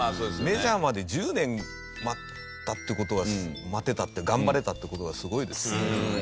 メジャーまで１０年待ったっていう事は待てたって頑張れたって事がすごいですよね。